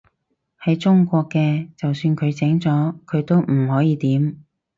喺中國嘅，就算佢醒咗，佢都唔可以點